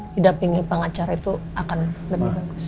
didampingi pengacara itu akan lebih bagus